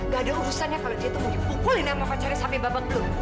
gak ada urusannya kalau dia tuh mau dipukulin sama pacarnya sampai babak belum